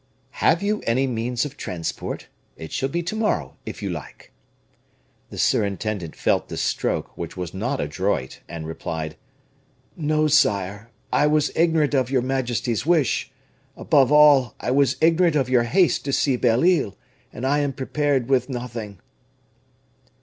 "Have you any means of transport? It shall be to morrow, if you like." The surintendant felt this stroke, which was not adroit, and replied, "No, sire; I was ignorant of your majesty's wish; above all, I was ignorant of your haste to see Belle Isle, and I am prepared with nothing."